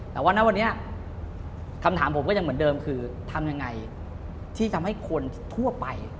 แต่ว่าณวันนี้คำถามผมก็ยังเหมือนเดิมคือทำยังไงที่ทำให้คนทั่วไป